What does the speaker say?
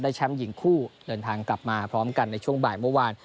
แชมป์หญิงคู่เดินทางกลับมาพร้อมกันในช่วงบ่ายเมื่อวาน